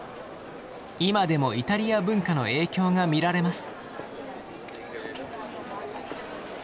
今でもイタリア文化の影響が見られます。